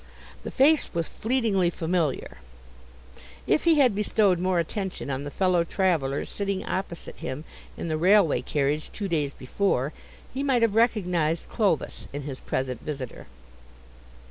The face was fleetingly familiar; if he had bestowed more attention on the fellow traveller sitting opposite him in the railway carriage two days before he might have recognized Clovis in his present visitor.